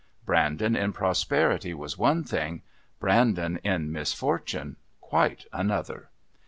Brandon in prosperity was one thing, Brandon in misfortune quite another.